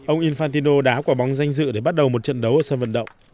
ông infantino đá quả bóng danh dự để bắt đầu một trận đấu ở sân vận động